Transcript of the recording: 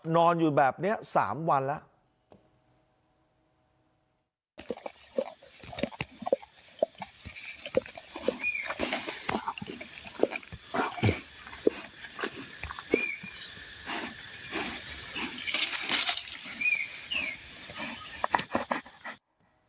นอนอยู่แบบนี้๓วันแล้ว